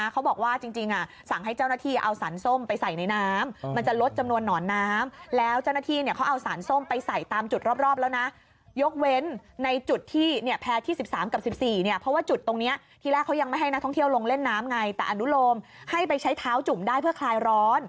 เขาบอกว่าจริงสั่งให้เจ้าหน้าที่เอาสารส้มไปใส่ในน้ำมันจะลดจำนวนหนอนน้ำแล้วเจ้าหน้าที่เนี่ยเขาเอาสารส้มไปใส่ตามจุดรอบแล้วนะยกเว้นในจุดที่แพร่ที่๑๓กับ๑๔เนี่ยเพราะว่าจุดตรงนี้ที่แรกเขายังไม่ให้นักท่องเที่ยวลงเล่นน้ำไงแต่อนุโลมให้ไปใช้เท้าจุ่มได้เพื่อคลายร้อน